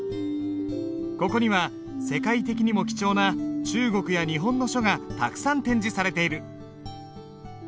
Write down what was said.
ここには世界的にも貴重な中国や日本の書がたくさん展示されている。